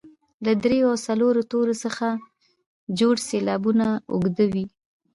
له دریو او څلورو تورو څخه جوړ سېلابونه اوږده وي.